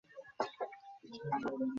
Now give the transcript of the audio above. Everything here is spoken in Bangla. তিনি আবার প্যারিস, প্রাগ ও বার্লিন সফর করেন।